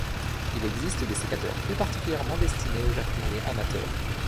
Il existe des sécateurs plus particulièrement destinés aux jardiniers amateurs.